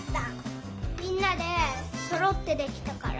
みんなでそろってできたから。